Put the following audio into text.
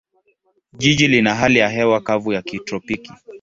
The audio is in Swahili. Jiji lina hali ya hewa kavu ya kitropiki.